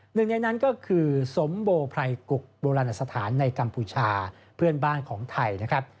หนึ่งในนั้นก็คือสมโบไพรกุกโบราณสถานในกัมพูชาเพื่อนบ้านของไทยนะครับ